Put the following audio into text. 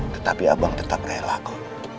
tetapi abang tetap relaku